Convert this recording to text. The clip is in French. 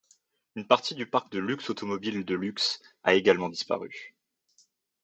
Une partie du parc de luxe automobile de luxe a également disparue.